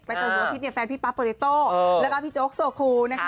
บายเตยสุวพิษเนี่ยแฟนพี่ป๊าโปเจโต้และกับพี่โจ๊กโสโค